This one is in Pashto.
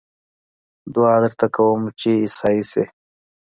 دعا درته کووم چې عيسائي شې